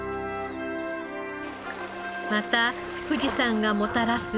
また富士山がもたらす